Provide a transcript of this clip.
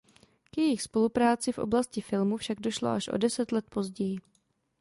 K jejich spolupráci v oblasti filmu však došlo až o deset let později.